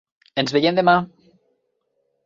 Ens veiem demà.